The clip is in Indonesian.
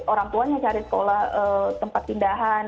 orang tuanya cari sekolah tempat pindahan